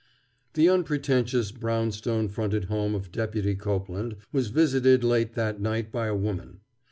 IV The unpretentious, brownstone fronted home of Deputy Copeland was visited, late that night, by a woman.